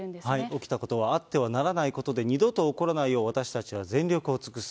起きたことはあってはならないことで、二度と起こらないよう、私たちは全力を尽くす。